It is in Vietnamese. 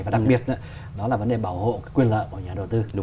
và đặc biệt đó là vấn đề bảo hộ quyền lợi của nhà đầu tư